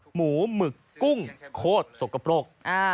หมูหมึกกุ้งโคตรสกปรก